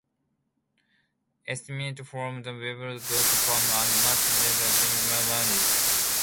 Estimates from Weblogs dot com and Matt Mullenweg's Ping-o-Matic!